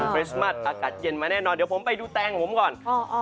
คริสต์มัสอากาศเย็นมาแน่นอนเดี๋ยวผมไปดูแตงผมก่อน